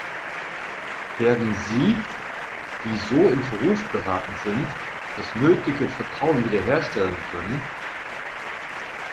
Werden sie, die so in Verruf geraten sind, das nötige Vertrauen wieder herstellen können?